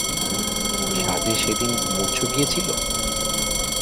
সাধে সেদিন মুর্ছো গিয়েছিল?